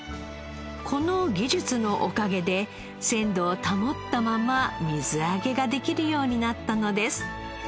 この技術のおかげで鮮度を保ったまま水揚げができるようになったのです。